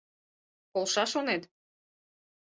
— Полша, шонет?